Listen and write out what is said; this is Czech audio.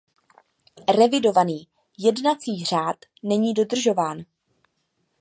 Revidovaný jednací řád není dodržován.